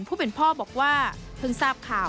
ผู้เป็นพ่อบอกว่าเพิ่งทราบข่าว